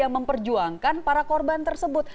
memperjuangkan para korban tersebut